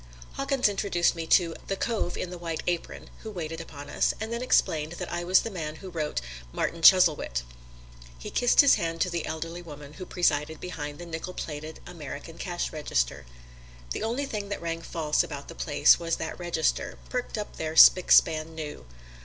Hawkins introduced me to "the cove in the white apron" who waited upon us, and then explained that I was the man who wrote "Martin Chuzzlewit." He kissed his hand to the elderly woman who presided behind the nickel plated American cash register. The only thing that rang false about the place was that register, perked up there spick span new.